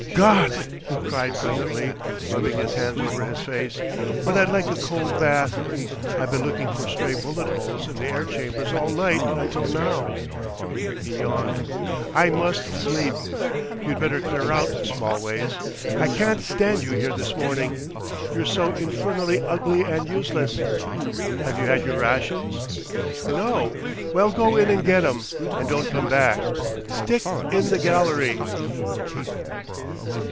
"Gott!" he cried presently, rubbing his hands over his face, "but I'd like a cold bath! I've been looking for stray bullet holes in the air chambers all night until now." He yawned. "I must sleep. You'd better clear out, Smallways. I can't stand you here this morning. You're so infernally ugly and useless. Have you had your rations? No! Well, go in and get 'em, and don't come back. Stick in the gallery...."